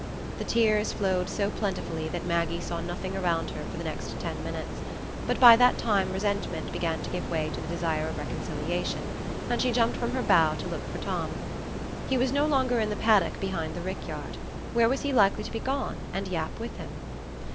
The tears flowed so plentifully that Maggie saw nothing around her for the next ten minutes; but by that time resentment began to give way to the desire of reconciliation, and she jumped from her bough to look for Tom. He was no longer in the paddock behind the rickyard; where was he likely to be gone, and Yap with him?